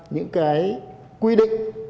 những cái quy định